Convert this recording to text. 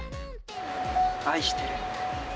愛してる。